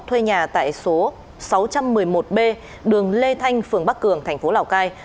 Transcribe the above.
thuê nhà tại số sáu trăm một mươi một b đường lê thanh phường bắc cường thành phố lào cai